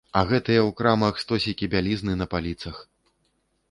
А гэтыя ў крамах стосікі бялізны на паліцах!